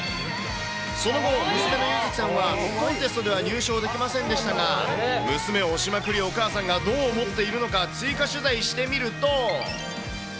その後、娘のゆづきさんはコンテストでは入賞できませんでしたが、娘を推しまくるお母さんがどう思っているのか、追加取材してみると。